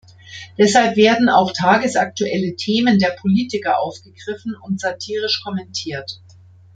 Deshalb werden auch tagesaktuelle Themen der Politiker aufgegriffen und satirisch kommentiert.